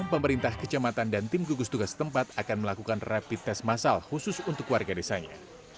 pemerintah kecamatan dan tim gugus tugas tempat akan melakukan rapid test masal khusus untuk warga desanya